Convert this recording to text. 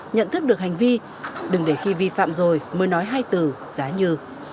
nhận thức được hành vi đừng để khi vi phạm rồi mới nói hai từ giá như